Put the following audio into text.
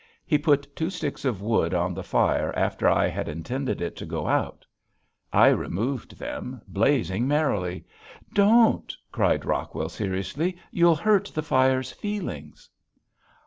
He put two sticks of wood on the fire after I had intended it to go out. I removed them, blazing merrily. "Don't" cried Rockwell seriously, "you'll hurt the fire's feelings."